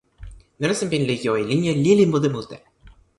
nena sinpin li jo e linja lili mute mute.